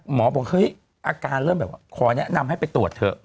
บอกเฮ้ยอาการเริ่มแบบว่าขอแนะนำให้ไปตรวจเถอะ